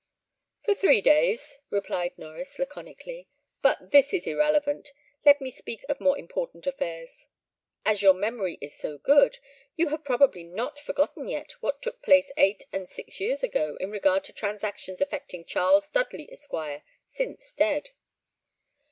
"For three days," replied Norries, laconically. "But this is irrelevant; let me speak of more important affairs. As your memory is so good, you have probably not forgotten yet what took place eight and six years ago, in regard to transactions affecting Charles Dudley, Esquire, since dead."